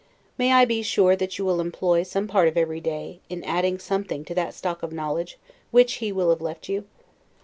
May I be sure that you will employ some part of every day, in adding something to that stock of knowledge which he will have left you?